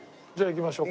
行きましょう。